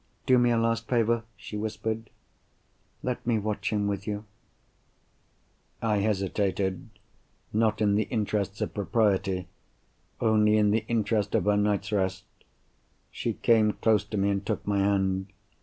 "Do me a last favour?" she whispered. "Let me watch him with you." I hesitated—not in the interests of propriety; only in the interest of her night's rest. She came close to me, and took my hand.